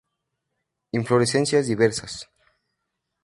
Inflorescencias diversas.